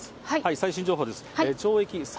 最新情報です。